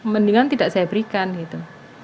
mendingan tidak saya berikan gitu